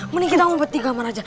mending kita ngumpet di kamar aja